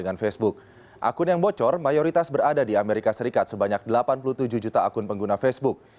akun yang bocor mayoritas berada di amerika serikat sebanyak delapan puluh tujuh juta akun pengguna facebook